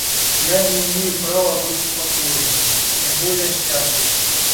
Я не имею права быть спокоен, тем более счастлив...